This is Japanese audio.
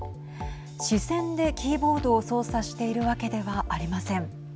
視線でキーボードを操作しているわけではありません。